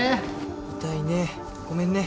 痛いね。